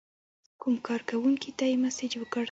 کوم کارکونکي ته یې مسیج وکړ.